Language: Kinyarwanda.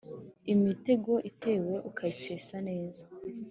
imitego itewe ukayisesa neza.